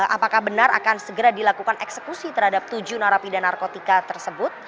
apakah benar akan segera dilakukan eksekusi terhadap tujuh narapidana narkotika tersebut